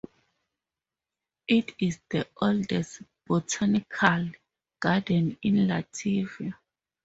It is the oldest botanical garden in Latvia.